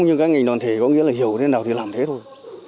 nhưng các ngành đoàn thể có nghĩa là hiểu thế nào thì làm thế thôi